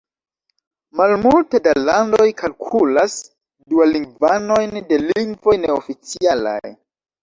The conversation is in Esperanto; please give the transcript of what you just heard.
Malmulte da landoj kalkulas dualingvanojn de lingvoj neoficialaj.